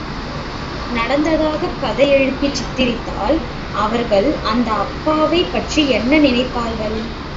நடப்பதாகக் கதை எழுதிச் சித்திரித்தால் அவர்கள் அந்த அப்பாவைப் பற்றி என்ன நினைப்பார்கள்.